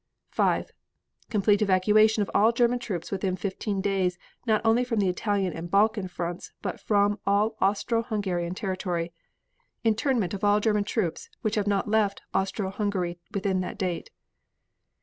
5. Complete evacuation of all German troops within fifteen days not only from the Italian and Balkan fronts, but from all Austro Hungarian territory. Internment of all German troops which have not left Austro Hungary within the date.